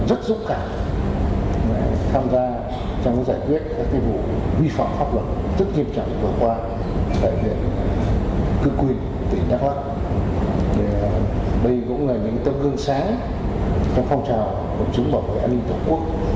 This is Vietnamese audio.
đây cũng là những tâm gương sáng trong phong trào của chúng bảo vệ an ninh tổng quốc